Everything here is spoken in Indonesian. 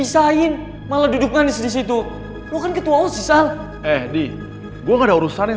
sampai jumpa di video selanjutnya